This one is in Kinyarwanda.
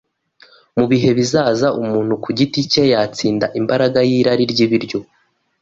mu bihe bizaza umuntu ku giti cye yatsinda imbaraga y’irari ry’ibiryo.